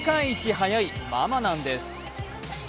速いママなんです。